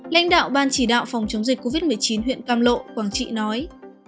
lãnh đạo ban chỉ đạo phòng chống dịch covid một mươi chín huyện cam lộ quảng trị nói